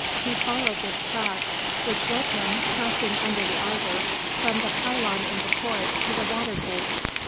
He followed this track, which led him, passing under the arbour, from the pylon in the court to the water gate.